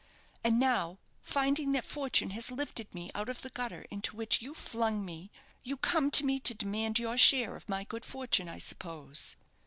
And now, finding that fortune has lifted me out of the gutter into which you flung me, you come to me to demand your share of my good fortune, I suppose?"